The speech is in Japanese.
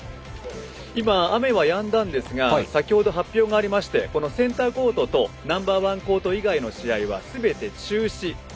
今、雨はやんだんですが先程発表がありましてセンターコートとナンバー１コート以外の試合はすべて中止。